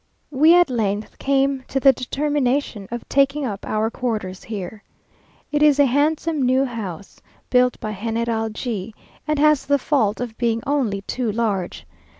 We at length came to the determination of taking up our quarters here. It is a handsome new house, built by General G , and has the fault of being only too large.